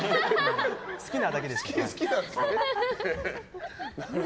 好きなだけです。